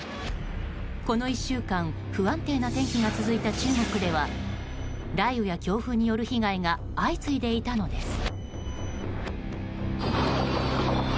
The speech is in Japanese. この１週間不安定な天気が続いた中国では雷雨や強風による被害が相次いでいたのです。